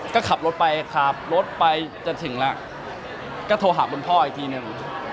ก็ขับรถไปขับรถไปจะถึงแล้วก็โทรหาคุณพ่ออีกทีหนึ่ง